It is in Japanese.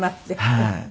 はい。